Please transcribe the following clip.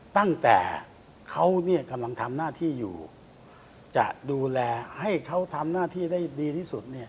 ตั้งแต่เขาเนี่ยกำลังทำหน้าที่อยู่จะดูแลให้เขาทำหน้าที่ได้ดีที่สุดเนี่ย